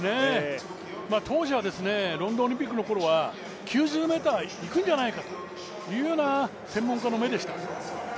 当時はロンドンオリンピックのころは９０ｍいくんじゃないかというような専門家の目でした。